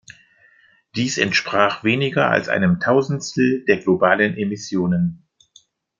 Dies entsprach weniger als einem Tausendstel der globalen Emissionen.